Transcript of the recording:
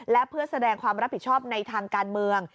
และเพื่อแสดงความรับผิดชอบในทางการเมือง